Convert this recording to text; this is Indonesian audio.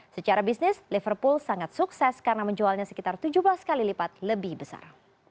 secara bisnis liverpool sangat sukses karena menjualnya sekitar tujuh belas kali lipat lebih besar